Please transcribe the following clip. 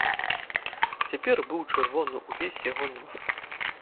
Цяпер быў чырвоны ўвесь яго нос.